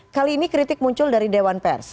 kali ini kritik muncul dari dewan pers